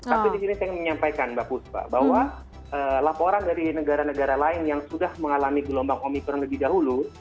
tapi di sini saya ingin menyampaikan mbak puspa bahwa laporan dari negara negara lain yang sudah mengalami gelombang omikron lebih dahulu